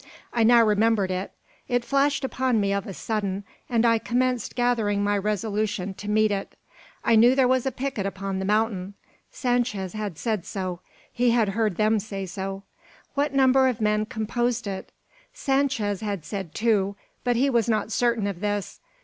I now remembered it. It flashed upon me of a sudden, and I commenced gathering my resolution to meet it. I knew there was a picket upon the mountain! Sanchez had said so; he had heard them say so. What number of men composed it? Sanchez had said two, but he was not certain of this.